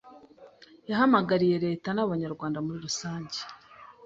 Yahamagariye Leta n’abanyarwanda muri rusange